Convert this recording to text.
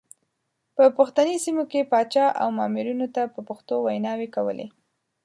په پښتني سیمو کې پاچا او مامورینو ته په پښتو ویناوې کولې.